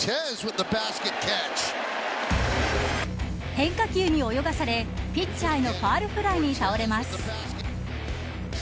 変化球に泳がされピッチャーのファウルフライに倒れます。